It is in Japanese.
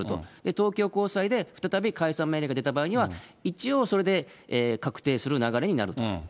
東京高裁で再び解散命令が出た場合には、一応、それで確定する流れになると。